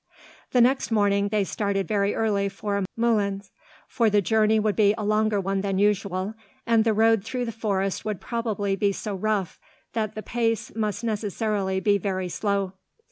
The next morning, they started very early for Moulins, for the journey would be a longer one than usual, and the road through the forest would probably be so rough, that the pace must necessarily be very slow.